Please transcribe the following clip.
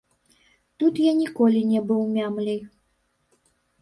Тут я ніколі не быў мямляй.